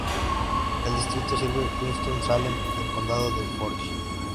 El distrito sirve Winston-Salem y el Condado de Forsyth.